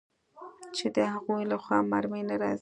چې د هغوى له خوا مرمۍ نه راځي.